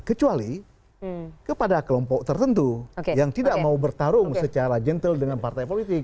kecuali kepada kelompok tertentu yang tidak mau bertarung secara gentle dengan partai politik